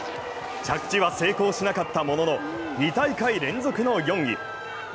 着地は成功しなかったものの、２大会連続の４位。